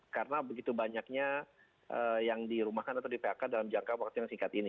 karena begitu banyaknya yang dirumahkan atau di pak dalam jangka waktunya singkat ini